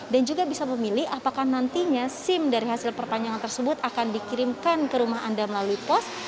dan juga bisa memilih apakah nantinya sim dari hasil perpanjangan tersebut akan dikirimkan ke rumah anda melalui pos